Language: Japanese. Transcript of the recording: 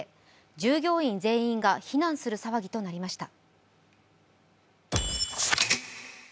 従業員全員が避難する騒ぎとなりました。